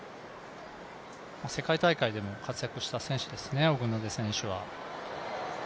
世界大会でも活躍した選手ですね、オグノデ選手は。